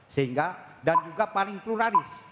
sehingga dan juga paling pluralis